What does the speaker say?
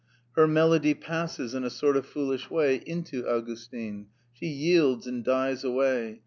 Her melody passes in a sort of foolish way into Augustin; she yields and dies away.